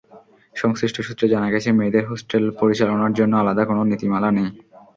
সংশ্লিষ্ট সূত্রে জানা গেছে, মেয়েদের হোস্টেল পরিচালনার জন্য আলাদা কোনো নীতিমালা নেই।